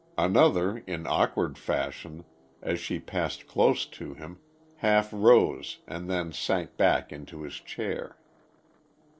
Another in awkward fashion, as she passed close to him, half rose and then sank back into his chair.